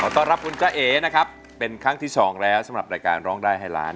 ต้อนรับคุณจ้าเอนะครับเป็นครั้งที่สองแล้วสำหรับรายการร้องได้ให้ล้าน